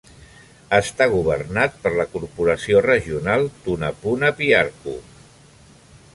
Està governat per la Corporació Regional Tunapuna-Piarco.